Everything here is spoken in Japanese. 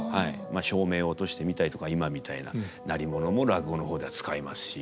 まあ照明を落としてみたりとか今みたいな鳴り物も落語の方では使いますし。